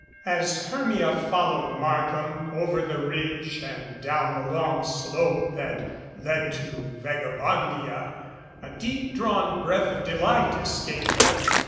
\ As Hermia followed Markham over the ridge and down the long slope that led to Vagabondia a deep drawn breath of delight escaped her.